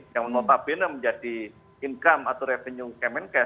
yang notabene menjadi income atau revenue kemenkes